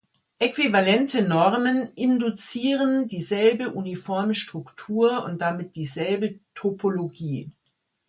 Äquivalente Normen induzieren dieselbe uniforme Struktur und damit dieselbe Topologie.